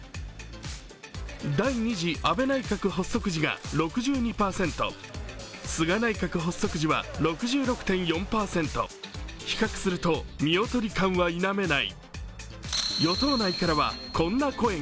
第２次安倍内閣発足時が６２％菅内閣発足時は６６．４％、比較すると見劣り感は否めない。